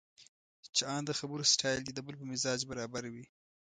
چې ان د خبرو سټایل دې د بل په مزاج برابر وي.